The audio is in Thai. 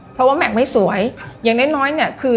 เพราะว่าแม็กซ์ไม่สวยอย่างน้อยเนี่ยคือ